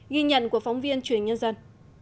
ghi nhận của phóng viên truyền nhân dân